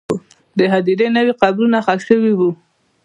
د هدیرې نوې قبرونه ښخ شوي وو.